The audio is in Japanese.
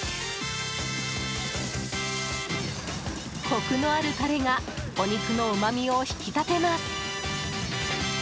コクのあるタレがお肉のうまみを引き立てます。